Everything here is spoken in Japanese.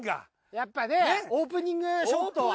やっぱねオープニングショットは。